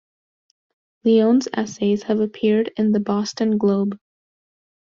Leone's essays have appeared in "The Boston Globe".